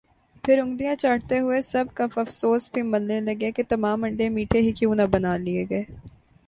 پھر انگلیاں چاٹتے ہوئے سب کف افسوس بھی ملنے لگے کہ تمام انڈے میٹھے ہی کیوں نہ بنا لئے گئے